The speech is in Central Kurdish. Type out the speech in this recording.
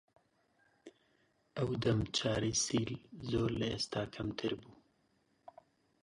ئەو دەم چارەی سیل زۆر لە ئێستا کەمتر بوو